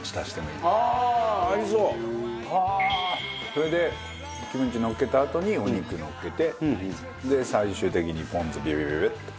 それでキムチのっけたあとにお肉のっけて最終的にポン酢ビュビュビュビュッと。